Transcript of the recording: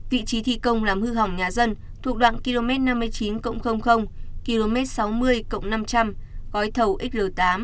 vị trí thi công làm hư hỏng nhà dân thuộc đoạn km năm mươi chín km sáu mươi năm trăm linh gói thầu xl tám